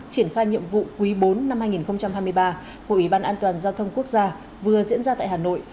triển khai nhiệm vụ quý bốn năm hai nghìn hai mươi ba của ủy ban an toàn giao thông quốc gia vừa diễn ra tại hà nội